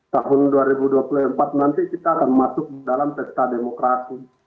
tahun dua ribu dua puluh empat nanti kita akan masuk dalam pesta demokrasi